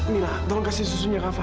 mila tolong kasih susunya kak fadil